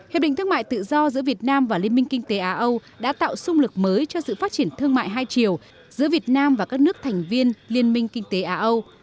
hiệp định thương mại tự do giữa việt nam và liên minh kinh tế á âu đã tạo sung lực mới cho sự phát triển thương mại hai chiều giữa việt nam và các nước thành viên liên minh kinh tế á âu